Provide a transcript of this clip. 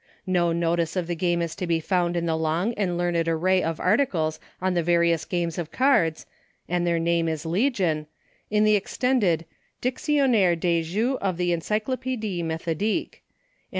No notice of the game is to be found in the long and learned array of articles on the various games of cards — and their name is legion — in the extended Dictionnaire des Jeux of the Encyclopedia Methodique ; and M.